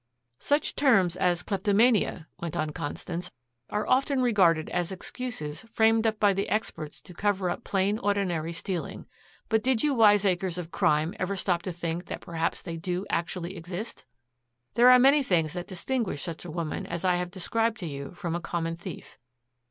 "Such terms as kleptomania," went on Constance, "are often regarded as excuses framed up by the experts to cover up plain ordinary stealing. But did you wiseacres of crime ever stop to think that perhaps they do actually exist? "There are many things that distinguish such a woman as I have described to you from a common thief.